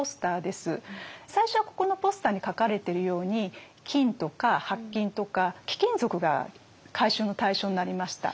最初はここのポスターに書かれてるように金とか白金とか貴金属が回収の対象になりました。